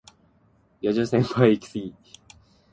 野獣先輩イキスギ